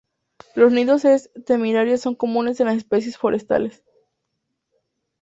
Los nidos en termiteros son comunes en las especies forestales.